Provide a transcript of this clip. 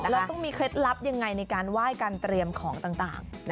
แล้วต้องมีเคล็ดลับยังไงในการไหว้การเตรียมของต่าง